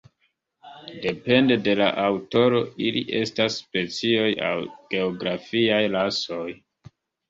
Depende de la aŭtoro ili estas specioj aŭ geografiaj rasoj.